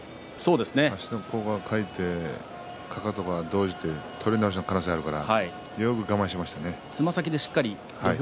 足の甲がかかって取り直しの可能性があるのでよく我慢しましたね。